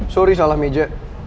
sorry salah meja